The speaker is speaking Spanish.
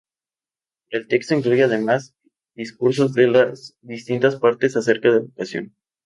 El texto incluye además discursos de las distintas partes acerca de la ocasión.